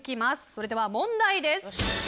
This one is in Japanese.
それでは問題です。